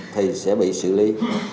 thì sẽ bị xử lý